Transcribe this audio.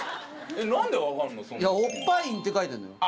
「おっぱいん」って書いてあるのよ。